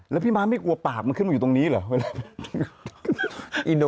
แล้วพี่ม้าไม่กลัวปากมันขึ้นมาอยู่ตรงนี้เหรอเวลา